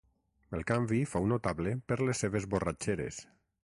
En canvi fou notable per les seves borratxeres.